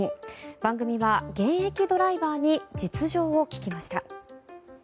番組は現役ドライバーに実情を聞きました。